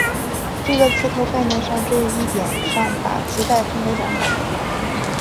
这个磁头概念上在这一点上把磁带分为两半。